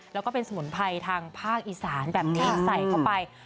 แล้วก็เป็นสมุนไพรทางภาคอีสานแบบนี้ใส่เข้าไป